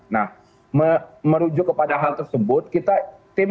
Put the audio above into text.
nah merujuk kepada hal tersebut kita tim